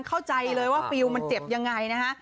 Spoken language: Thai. เข้าใจเลยว่าฟิวมันเจ็บอย่างไรนะคะ